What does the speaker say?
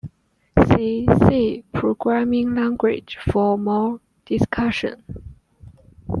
See C programming language for more discussion.